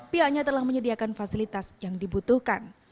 pihaknya telah menyediakan fasilitas yang dibutuhkan